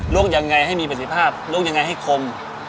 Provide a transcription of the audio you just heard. วกยังไงให้มีประสิทธิภาพลวกยังไงให้คม